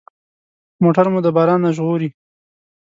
موټر مو د باران نه ژغوري.